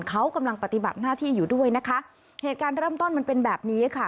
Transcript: เขากำลังปฏิบัติหน้าที่อยู่ด้วยนะคะเหตุการณ์เริ่มต้นมันเป็นแบบนี้ค่ะ